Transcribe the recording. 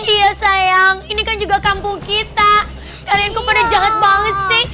iya sayang ini kan juga kampung kita kalianku pada jahat banget sih